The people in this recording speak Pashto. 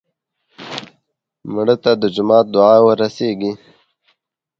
مړه ته د جومات دعا ورسېږي